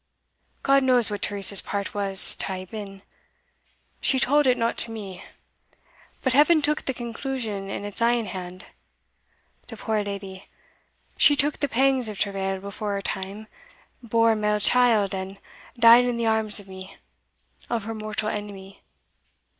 God knows what Teresa's part was to hae been she tauld it not to me but Heaven took the conclusion in its ain hand. The poor leddy! she took the pangs of travail before her time, bore a male child, and died in the arms of me of her mortal enemy!